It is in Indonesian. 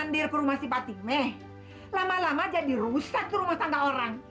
kau mandir ke rumah si patimih lama lama jadi rusak rumah tangga orang